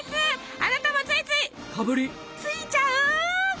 あなたもついつい「かぶり」ついちゃう？